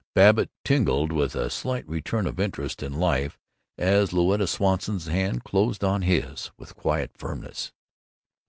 Babbitt tingled with a slight return of interest in life as Louetta Swanson's hand closed on his with quiet firmness.